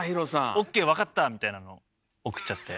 「オッケーわかった」みたいなのを送っちゃって。